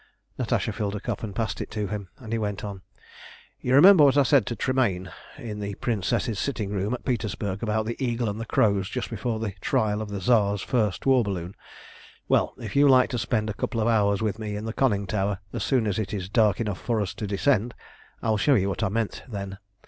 Natasha filled a cup and passed it to him, and he went on "You remember what I said to Tremayne in the Princess's sitting room at Petersburg about the eagle and the crows just before the trial of the Tsar's first war balloon. Well, if you like to spend a couple of hours with me in the conning tower as soon as it is dark enough for us to descend, I will show you what I meant then.